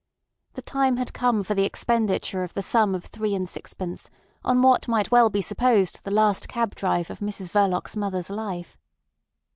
The time had come for the expenditure of the sum of three and sixpence on what might well be supposed the last cab drive of Mrs Verloc's mother's life.